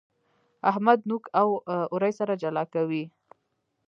احمد نوک او اورۍ سره جلا کوي.